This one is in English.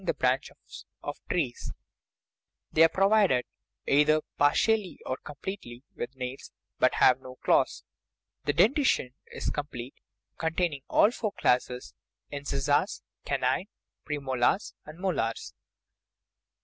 33 THE RIDDLE OF THE UNIVERSE branches of trees ; they are provided, either partially or completely, with nails, but have no claws. The denti tion is complete, containing all four classes incisors, canine, premolars, and molars.